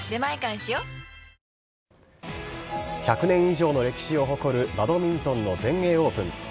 １００年以上の歴史を誇る、バドミントンの全英オープン。